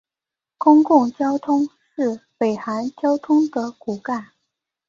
公共交通是北韩交通的骨干。